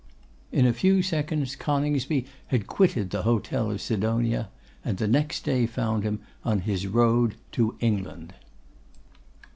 In a few seconds Coningsby had quitted the hotel of Sidonia, and the next day found him on his road to England.